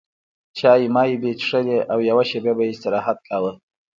چای مای به یې څښل او یوه شېبه به یې استراحت کاوه.